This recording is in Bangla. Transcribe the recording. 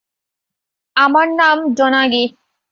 আমার নাম ডোনাগি।